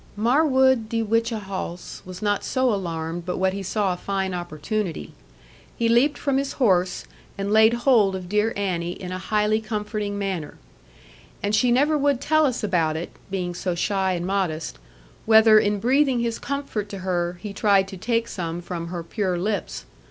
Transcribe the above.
Marwood de Whichehalse was not so alarmed but what he saw a fine opportunity. He leaped from his horse, and laid hold of dear Annie in a highly comforting manner; and she never would tell us about it (being so shy and modest), whether in breathing his comfort to her he tried to take some from her pure lips.